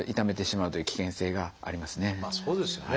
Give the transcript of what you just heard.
まあそうですよね。